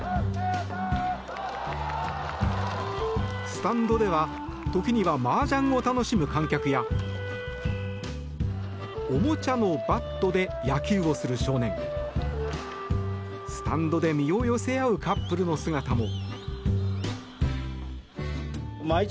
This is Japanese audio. スタンドでは時にはマージャンを楽しむ観客やおもちゃのバットで野球をする少年スタンドで身を寄せ合うカップルの姿も。